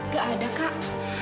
gak ada kak